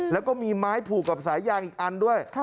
แล้วก็มีไม้ผูกกับสายยางอีกอันด้วย